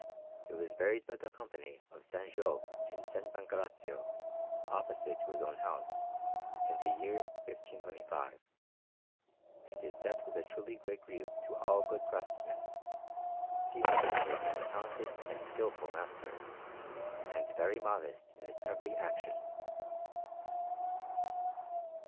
He was buried by the Company of S. Giobbe in S. Pancrazio, opposite to his own house, in the year 1525; and his death was truly a great grief to all good craftsmen, seeing that he had been a talented and skilful master, and very modest in his every action.